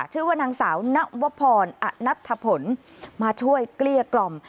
ชื่อว่านางสาวนวพรอนัทธพลมาช่วยเกลี้ยกล่อม